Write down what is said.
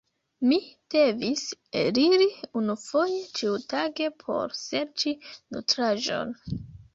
Mi devis eliri unufoje ĉiutage por serĉi nutraĵon.